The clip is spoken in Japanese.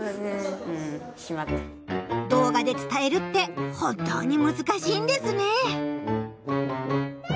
動画で伝えるって本当にむずかしいんですね。